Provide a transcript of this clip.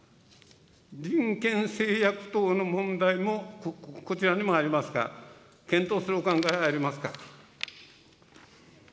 人権制約等の問題もこちらにもありますが、検討するお考えはありますか。